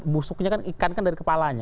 busuknya kan ikan kan dari kepalanya